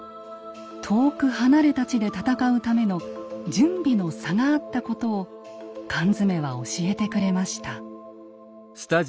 遠く離れた地で戦うための準備の差があったことを缶詰は教えてくれました。